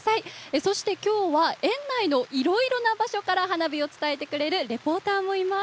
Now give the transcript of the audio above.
そして今日は園内のいろいろな場所から園内を伝えてくれるレポーターもいます。